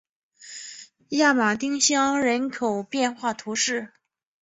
圣马丁乡人口变化图示